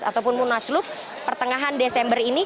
ataupun munaslup pertengahan desember ini